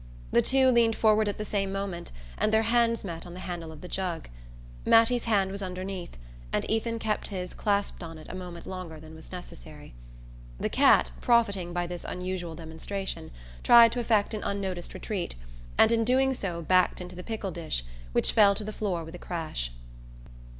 The two leaned forward at the same moment and their hands met on the handle of the jug. Mattie's hand was underneath, and Ethan kept his clasped on it a moment longer than was necessary. The cat, profiting by this unusual demonstration, tried to effect an unnoticed retreat, and in doing so backed into the pickle dish, which fell to the floor with a crash.